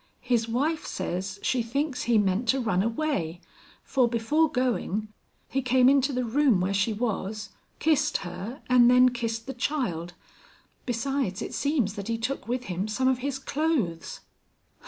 His wife says she thinks he meant to run away, for before going, he came into the room where she was, kissed her and then kissed the child; besides it seems that he took with him some of his clothes."